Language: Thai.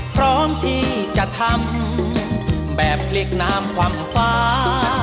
พร้อมที่จะทำแบบพลิกน้ำความฟ้า